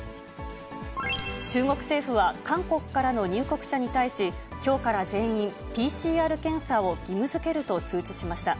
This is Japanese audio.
中国政府は、韓国からの入国者に対し、きょうから全員、ＰＣＲ検査を義務づけると通知しました。